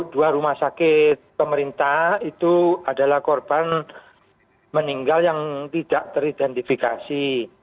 dua rumah sakit pemerintah itu adalah korban meninggal yang tidak teridentifikasi